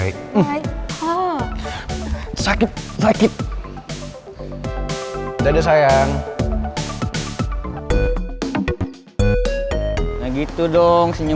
kita mau di kantin ya